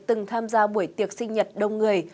từng tham gia buổi tiệc sinh nhật đông người